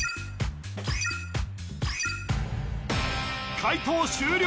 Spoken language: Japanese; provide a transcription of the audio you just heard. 解答終了